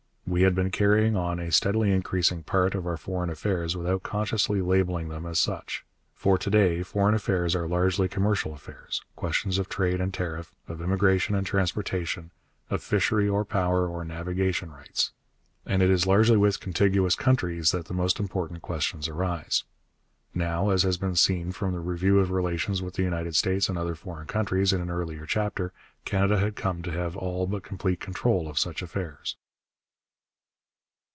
We had been carrying on a steadily increasing part of our foreign affairs without consciously labelling them as such. For to day foreign affairs are largely commercial affairs, questions of trade and tariff, of immigration and transportation, of fishery or power or navigation rights. And it is largely with contiguous countries that the most important questions arise. Now, as has been seen from the review of relations with the United States and other foreign countries in an earlier chapter, Canada had come to have all but complete control of such affairs.